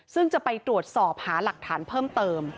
ซึ่งจะไปตรวจสอบหาหลักฐานเพิ่มเติม